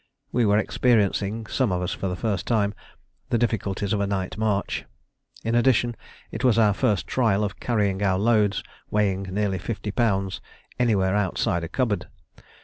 We were experiencing, some of us for the first time, the difficulties of a night march. In addition, it was our first trial of carrying our loads, weighing nearly fifty pounds, anywhere outside a cupboard.